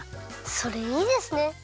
それいいですね！